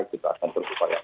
kita akan berupaya